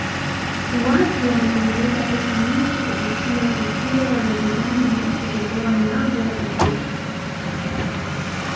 watu wametengeneza pesa nyingi kupitia tukio la zidane kutoboa mlango kwa teke